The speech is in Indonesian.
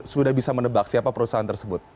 sudah bisa menebak siapa perusahaan tersebut